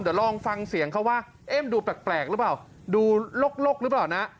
เราจะลองฟังเสียงเขาว่าเอ้ยถ้าดูแปลกรึเปล่าดูลกรึเปล่านะ